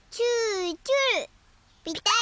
ぴたり。